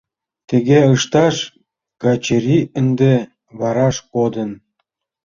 Тыге ышташ Качырий ынде вараш кодын.